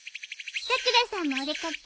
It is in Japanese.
さくらさんもお出掛け？